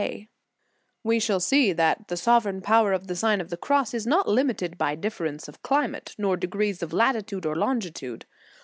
1 8 1 We shall see that the sovereign power of the Sign of the Cross is not limited by difference of climate, nor degrees of latitude or longitude.